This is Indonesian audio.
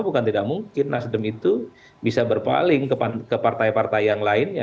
bukan tidak mungkin nasdem itu bisa berpaling ke partai partai yang lainnya